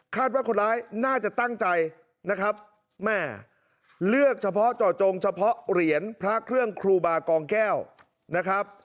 ว่าคนร้ายน่าจะตั้งใจนะครับแม่เลือกเฉพาะเจาะจงเฉพาะเหรียญพระเครื่องครูบากองแก้วนะครับ